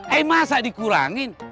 eh masa dikurangin